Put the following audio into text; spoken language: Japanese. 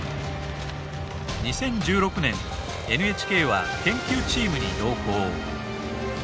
２０１６年ＮＨＫは研究チームに同行。